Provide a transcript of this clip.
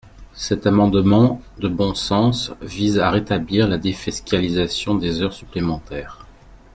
Cet amendement de bon sens vise à rétablir la défiscalisation des heures supplémentaires.